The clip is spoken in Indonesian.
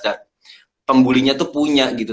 mental illness that pembulinya tuh punya gitu